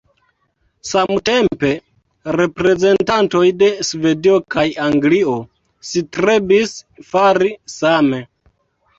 Samtempe, reprezentantoj de Svedio kaj Anglio strebis fari same.